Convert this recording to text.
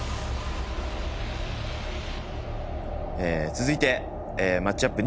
続いてマッチアップ